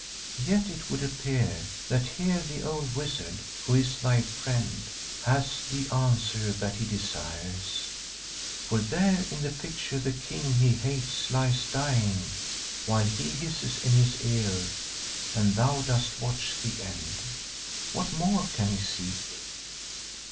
Yet it would appear that here the old wizard who is thy friend, has the answer that he desires. For there in the picture the king he hates lies dying while he hisses in his ear and thou dost watch the end. What more can he seek?